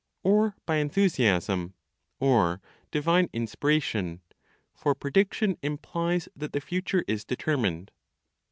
or by enthusiasm, or divine inspiration; for prediction implies that the future is determined.